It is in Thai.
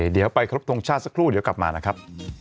เดี๋ยวไปครบทรงชาติสักครู่เดี๋ยวกลับมานะครับ